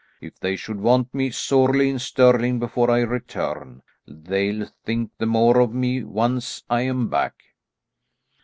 If they should want me sorely in Stirling before I return, they'll think the more of me once I am back."